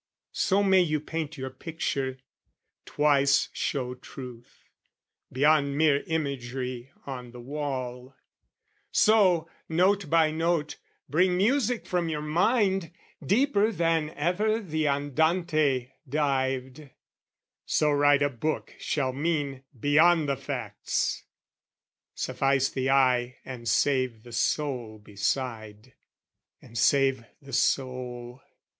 So may you paint your picture, twice show truth, Beyond mere imagery on the wall, So, note by note, bring music from your mind, Deeper than ever the Andante dived, So write a book shall mean, beyond the facts, Suffice the eye and save the soul beside. And save the soul!